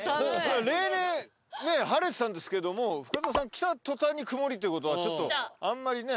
例年晴れてたんですけども深澤さん来た途端に曇りってことはあんまりね。